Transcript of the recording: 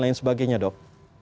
lain sebagainya dok